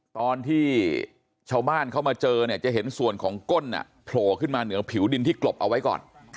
ตอนที่ชาวบ้านเขามาเจอเนี่ยจะเห็นส่วนของก้นโผล่ขึ้นมาเหนือผิวดินที่กลบเอาไว้ก่อน